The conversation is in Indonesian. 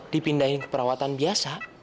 dipindahin ke perawatan biasa